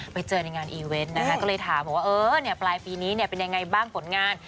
ไปเจอในงานอีเวนต์นะคะก็เลยถามว่าเออปลายปีนี้เป็นยังไงบ้างผลงาน